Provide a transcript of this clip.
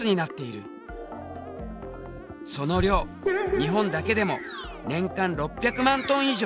その量日本だけでも年間６００万トン以上。